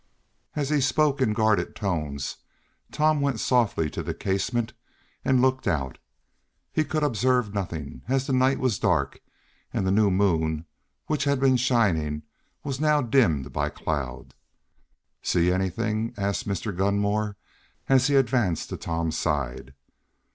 As he spoke in guarded tones, Tom went softly to the casement and looked out. He could observe nothing, as the night was dark, and the new moon, which had been shining, was now dimmed by clouds. "See anything?" asked Mr. Gunmore as he advanced to Tom's side.